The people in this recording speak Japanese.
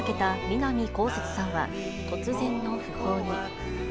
南こうせつさんは、突然の訃報に。